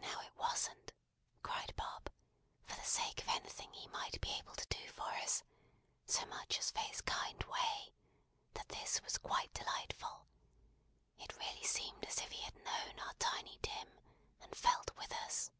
Now, it wasn't," cried Bob, "for the sake of anything he might be able to do for us, so much as for his kind way, that this was quite delightful. It really seemed as if he had known our Tiny Tim, and felt with us."